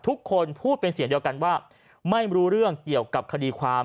ทุกคนพูดเป็นเสียงเดียวกันว่าไม่รู้เรื่องเกี่ยวกับคดีความ